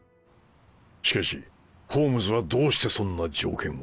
しかしホームズはどうしてそんな条件を？